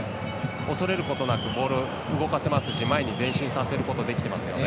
恐れることなくボール、動かせますし前に前進させることできてますよね。